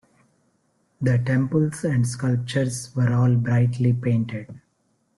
The temples and sculptures were all brightly painted.